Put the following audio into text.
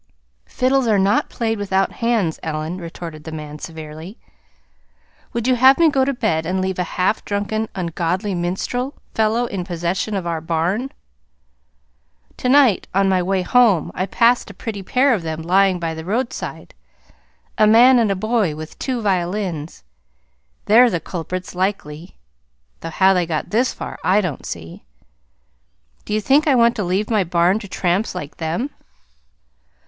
"Fiddles are not played without hands, Ellen," retorted the man severely. "Would you have me go to bed and leave a half drunken, ungodly minstrel fellow in possession of our barn? To night, on my way home, I passed a pretty pair of them lying by the roadside a man and a boy with two violins. They're the culprits, likely, though how they got this far, I don't see. Do you think I want to leave my barn to tramps like them?"